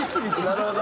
なるほど！